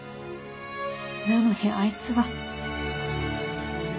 なのにあいつは。